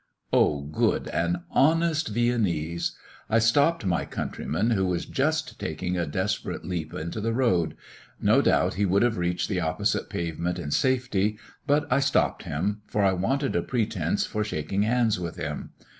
O good and honest Viennese! I stopped my countryman, who was just taking a desperate leap into the road. No doubt he would have reached the opposite pavement in safety; but I stopped him, for I wanted a pretence for shaking hands with him.